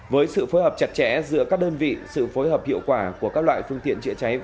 với sự phối hợp chặt chẽ giữa các đơn vị sự phối hợp hiệu quả của các loại phương tiện chữa cháy